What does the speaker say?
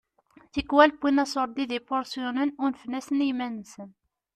Tikwal wwin aṣurdi d ipuṛsyunen u unfen-asen d yiman-nsen.